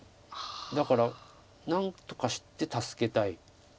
だから何とかして助けたい。